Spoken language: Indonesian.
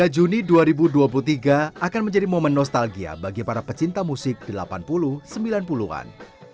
dua puluh juni dua ribu dua puluh tiga akan menjadi momen nostalgia bagi para pecinta musik delapan puluh sembilan puluh an